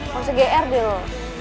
masa gr dulu